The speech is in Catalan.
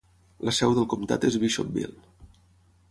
La seu del comtat és Bishopville.